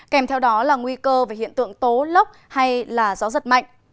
kèm theo đó là nguy cơ về hiện tượng tố lốc hay gió giật mạnh